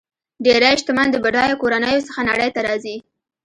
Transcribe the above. ډېری شتمن د بډایو کورنیو څخه نړۍ ته راځي.